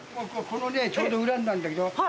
このねちょうど裏になるんだけど。